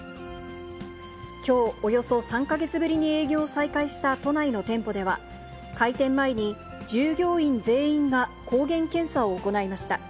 きょう、およそ３か月ぶりに営業を再開した都内の店舗では、開店前に従業員全員が抗原検査を行いました。